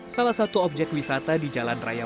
salah satu objek wisata di jalan raya